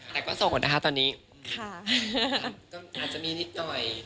แต่ก็สองคนนะคะตอนนี้อาจจะมีที่ต่อย